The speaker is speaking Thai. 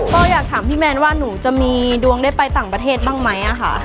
ก็อยากถามพี่แมนว่าหนูจะมีดวงได้ไปต่างประเทศบ้างไหมค่ะ